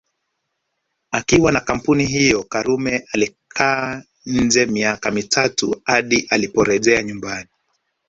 Akiwa na kampuni hiyo Karume alikaa nje miaka mitatu hadi aliporejea nyumbani